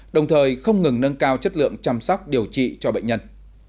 đồng thời không ngừng nâng cao chất lượng chăm sóc điều trị cho bệnh nhân